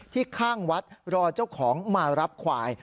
ข้างวัดรอเจ้าของมารับควาย